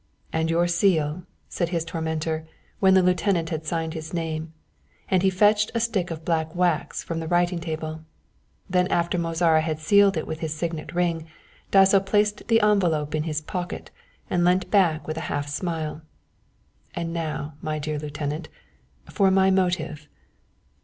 "And your seal," said his tormentor, when the lieutenant had signed his name, and he fetched a stick of black wax from the writing table. Then after Mozara had sealed it with his signet ring, Dasso placed the envelope in his pocket and leant back with a half smile. "And now, my dear lieutenant, for my motive.